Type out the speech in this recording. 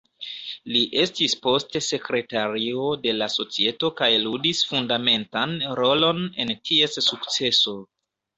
Li estis poste sekretario de la societo kaj ludis fundamentan rolon en ties sukceso.